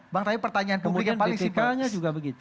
bang tapi pertanyaan publik yang paling singkat